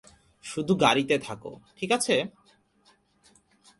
শুধু গাড়িতে থাকো, ঠিক আছে?